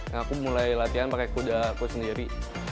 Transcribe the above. nah aku mulai latihan pakai kudaku sendiri